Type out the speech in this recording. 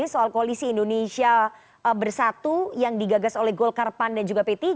soal koalisi indonesia bersatu yang digagas oleh golkar pan dan juga p tiga